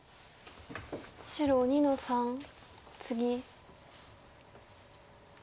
白２の三ツギ。